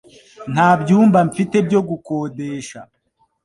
Nta byumba mfite byo gukodesha